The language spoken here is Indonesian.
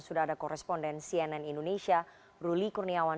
sudah ada koresponden cnn indonesia ruli kurniawan